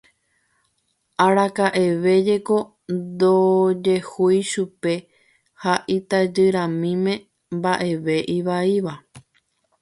Araka'eve jeko ndojehúi chupe ha itajyramíme mba'eve ivaíva.